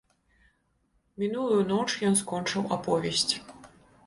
Мінулую ноч ён скончыў аповесць.